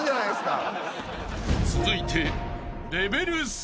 ［続いて］